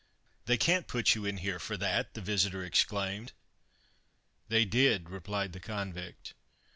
"They can't put you in here for that!" the visitor exclaimed. "They did," replied the convict.